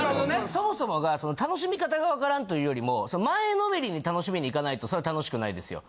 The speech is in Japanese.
そもそもが楽しみ方が分からんというよりも前のめりに楽しみに行かないとそら楽しくないですよ。